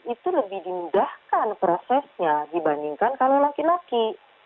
itu lebih dimudahkan prosesnya dibandingkan kalau laki laki